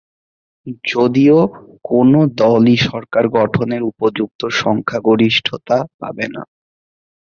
যদিও কোনও দলই সরকার গঠনের উপযুক্ত সংখ্যাগরিষ্ঠতা পাবে না।